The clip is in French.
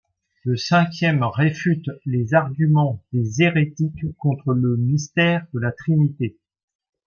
Le cinquième réfute les arguments des hérétiques contre le mystère de la Trinité.